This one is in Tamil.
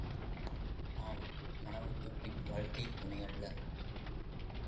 ஆம் கணவனுக்குப் பின் வாழ்க்கைத் துணையல்ல.